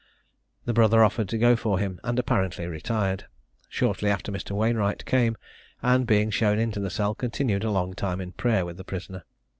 The brother offered to go for him, and apparently retired. Shortly after Mr. Wainwright came; and being shown into the cell, continued a long time in prayer with the prisoner.